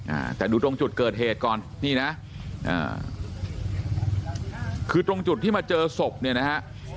อ่าแต่ดูตรงจุดเกิดเหตุก่อนนี่นะอ่าคือตรงจุดที่มาเจอศพเนี่ยนะฮะ